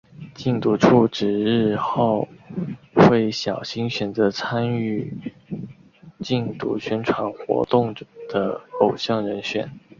禁毒处指日后会小心选择参与禁毒宣传活动的偶像人选。